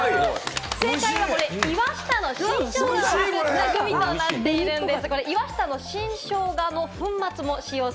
正解は岩下の新生姜を使ったグミとなっているんです。